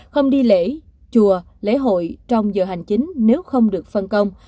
không đi lễ chùa lễ hội trong giờ hành chính nếu không được phân công